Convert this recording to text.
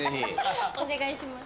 お願いします。